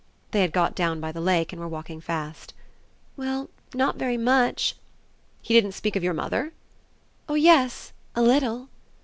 They had got down by the lake and were walking fast. "Well, not very much." "He didn't speak of your mother?" "Oh yes, a little!"